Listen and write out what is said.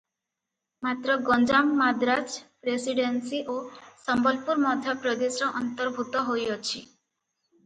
ମାତ୍ର ଗଞ୍ଜାମ ମାନ୍ଦ୍ରାଜ ପ୍ରେସିଡେନ୍ସି ଓ ସମ୍ବଲପୁର ମଧ୍ୟପ୍ରଦେଶର ଅନ୍ତର୍ଭୂତ ହୋଇଅଛି ।